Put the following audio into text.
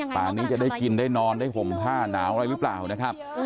ป่านี้จะได้กินได้นอนได้ห่มผ้าหนาวอะไรหรือเปล่านะครับ